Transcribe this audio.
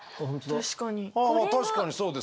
確かにそうですね。